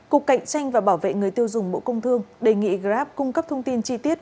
cục cạnh tranh và bảo vệ người tiêu dùng bộ công thương đề nghị grab cung cấp thông tin chi tiết